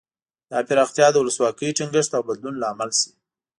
دا پراختیا د ولسواکۍ ټینګښت او بدلون لامل شي.